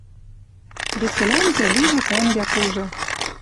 Весӹлӓнжӹ лижӹ тӓнгӓ кужы...